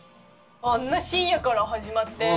あんな深夜から始まって。